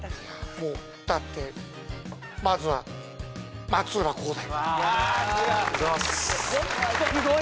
もうだって松浦君は松浦航大！